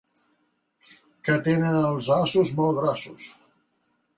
Que tenen els ossos molt grossos.